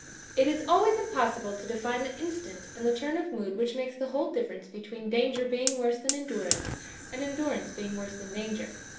It is always impossible to define the instant and the turn of mood which makes the whole difference between danger being worse than endurance and endurance being worse than danger.